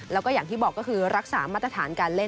แล้วก็อย่างที่บอกก็คือรักษามาตรฐานการเล่น